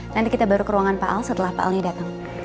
nanti kita baru ke ruangan pa al setelah pa al ini datang